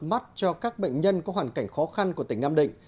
mắt cho các bệnh nhân có hoàn cảnh khó khăn của tỉnh nam định